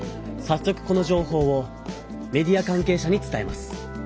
早速この情報をメディアかん係者に伝えます。